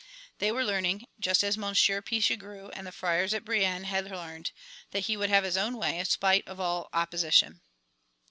They were learning, just as Monsieur Pichegru and the friars at Brienne had learned, that he would have his own way in spite of all opposition.